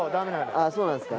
あぁそうなんですか？